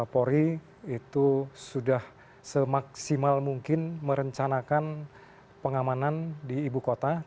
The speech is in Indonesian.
polri itu sudah semaksimal mungkin merencanakan pengamanan di ibukunan